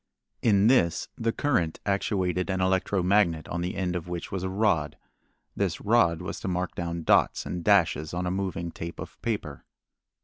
In this the current actuated an electro magnet on the end of which was a rod. This rod was to mark down dots and dashes on a moving tape of paper.